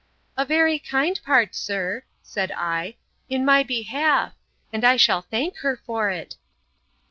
A very kind part, sir, said I, in my behalf; and I shall thank her for it.